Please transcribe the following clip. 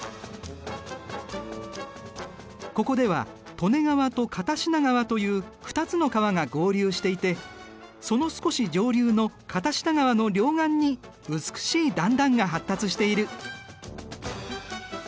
ここでは利根川と片品川という２つの川が合流していてその少し上流の片品川の両岸に美しい段々が発達している。